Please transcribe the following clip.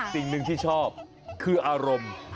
สิ่งหนึ่งที่ชอบคืออารมณ์